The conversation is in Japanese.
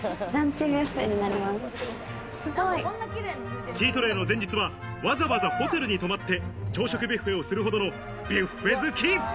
チートデイの前日は、わざわざホテルに泊まって朝食ビュッフェをするほどのビュッフェ好き。